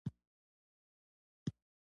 د هغه د اخیستلو لپاره مې ډیرې پیسې ولګولې.